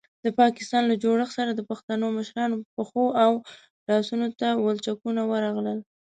د پاکستان له جوړښت سره د پښتنو مشرانو پښو او لاسونو ته ولچکونه ورغلل.